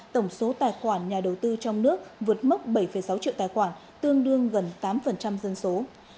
tổng số tài khoản nhà đầu tư trong nước vượt mốc bảy sáu triệu tài khoản tương đương gần tám dân số